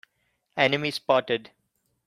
Enemy spotted!